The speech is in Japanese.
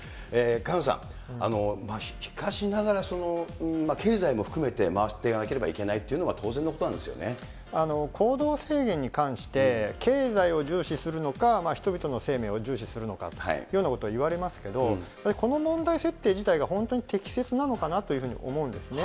萱野さん、しかしながら、経済も回していかなければいけないというのは行動制限に関して、経済を重視するのか、人々の生命を重視するのかというようなことをいわれますけど、この問題設定自体が本当に適切なのかなというふうに思うんですね。